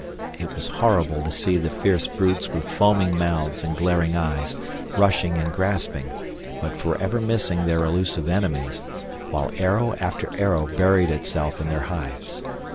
It was horrible to see the fierce brutes with foaming mouths and glaring eyes, rushing and grasping, but forever missing their elusive enemies, while arrow after arrow buried itself in their hides.